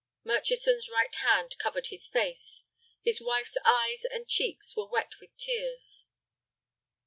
Murchison's right hand covered his face. His wife's eyes and cheeks were wet with tears.